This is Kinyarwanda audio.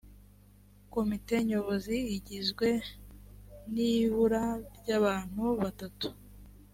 komite nyobozi igizwe nibura n’abantu batatu